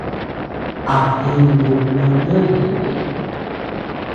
A jintu noo ñoʼö ñeʼë.